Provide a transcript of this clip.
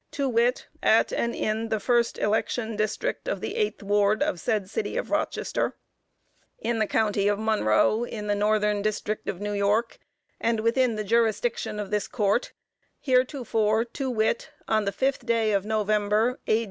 to wit, at and in the first election District of the eighth ward of said City of Rochester, in the County of Monroe, in the Northern District of New York, and within the jurisdiction of this Court, heretofore, to wit, on the fifth day of November, A.